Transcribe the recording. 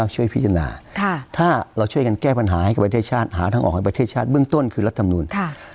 เจ้าต้านหาทางออกให้ประเทศชาติเบื้องต้นคือจำนวน